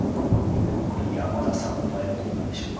山田さんの場合はどうなんでしょうか？